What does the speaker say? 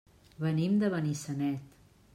Venim de Benissanet.